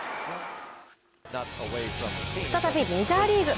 再びメジャーリーグ。